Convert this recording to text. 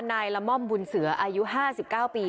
นายละม่อมบุญเสืออายุห้าสิบเก้าปี